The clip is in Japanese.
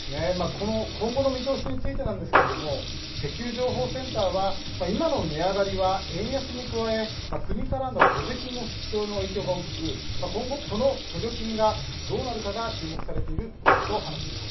この今後の見通しなんですけれども、石油情報センターは、今の値上がりは円安に加え、国からの補助金の縮小の影響が大きく、今後、この補助金がどうなるかが注目されていると話しています。